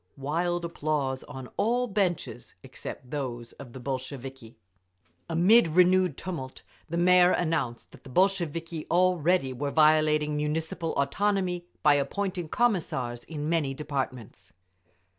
Wild applause on all benches except those of the Bolsheviki. Amid renewed tumult the Mayor announced that the Bolsheviki already were violating Municipal autonomy by appointing Commissars in many departments.